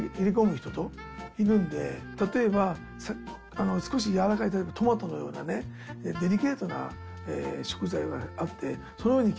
例えば少しやわらかいトマトのようなねデリケートな食材があってその上にキャベツボンって。